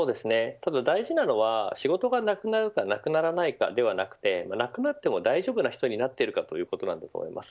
ただ、大事なのは仕事がなくなるかなくならないかではなくてなくなっても大丈夫な人になっているかということだと思います。